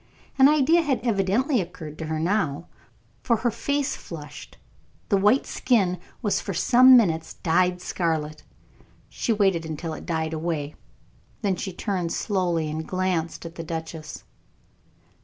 An idea had evidently occurred to her now, for her face flushed, the white skin was for some minutes dyed scarlet; she waited until it died away, then she turned slowly and glanced at the duchess.